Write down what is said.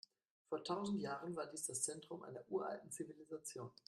Vor tausend Jahren war dies das Zentrum einer uralten Zivilisation.